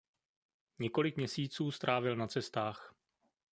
Několik měsíců strávil na cestách.